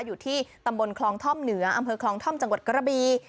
อยู่ที่ตำบลคลองท่อมเหนืออำเภอคลองท่อมจังหวัดกระบี